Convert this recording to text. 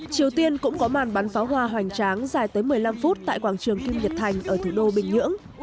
triều tiên cũng có màn bắn pháo hoa hoành tráng dài tới một mươi năm phút tại quảng trường kim nhật thành ở thủ đô bình nhưỡng